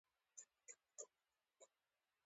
د دې غوا عاقبت ښه نه راته ښکاري